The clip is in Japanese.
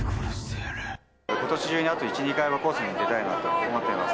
今年中にあと１２回はコースに出たいと思ってます。